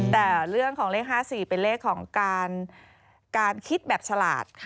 แต่เรื่องของเลข๕๔เป็นเลขของการคิดแบบฉลาด